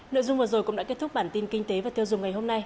nội dung vừa rồi cũng đã kết thúc bản tin kinh tế và tiêu dùng ngày hôm nay